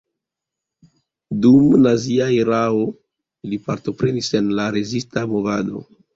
Dum la nazia erao li partoprenis en la rezista movado.